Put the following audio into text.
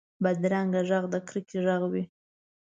بدرنګه غږ د کرکې غږ وي